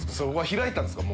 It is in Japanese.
開いたんですか？